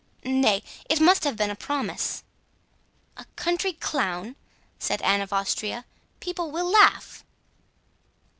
Nay, it must have been a promise." "A country clown," said Anne of Austria, "people will laugh."